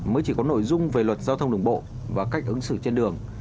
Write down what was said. mới chỉ có nội dung về luật giao thông đường bộ và cách ứng xử trên đường